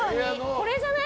これじゃない？